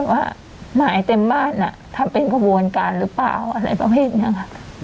ว่าหมายเต็มบ้านทำเป็นกระบวนการหรือเปล่าอะไรประเภทนี้ค่ะ